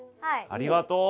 ありがとう。